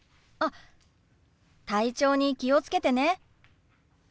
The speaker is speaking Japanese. あ体調に気をつけてね。